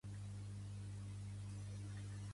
Tenir molta merda als armaris de cuina